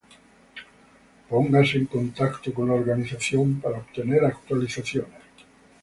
Póngase en contacto con la organización para obtener actualizaciones.